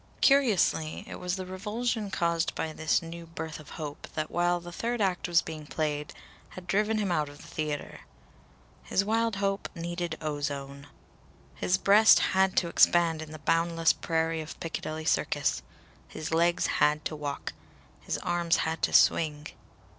Curiously, it was the revulsion caused by this new birth of hope that, while the third act was being played, had driven him out of the theatre. His wild hope needed ozone. His breast had to expand in the boundless prairie of Piccadilly Circus. His legs had to walk. His arms had to swing.